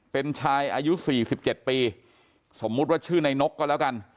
เป็นชายอายุ๔๗ปีสมมุติว่าชื่อในนกก็แล้วกัน